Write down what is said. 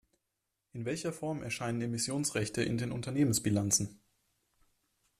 In welcher Form erscheinen Emissionsrechte in den Unternehmensbilanzen?